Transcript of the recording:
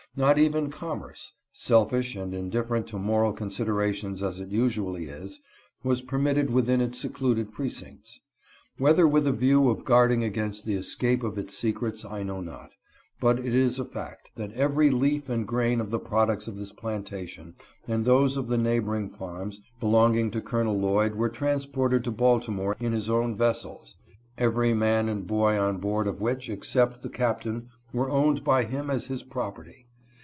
Not even commerce, selfish and indifferent to moral considerations aSFltusually is, was permitted within its secluded pre cincts. Whether with a view of guarding against the escape of its secrets, I know not, but it is a fact, that every leaf and grain of the products of this plantation and those of the neighboring farms belonging to Col. Lloyd were transported to Baltimore in his own vessels, every man and boy on board of which, except £h~e captain, were owned by him as his property.